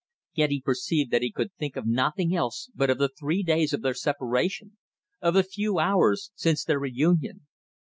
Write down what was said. Yet he perceived that he could think of nothing else but of the three days of their separation, of the few hours since their reunion.